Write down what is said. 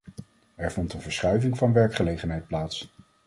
Er vond een verschuiving van werkgelegenheid plaats.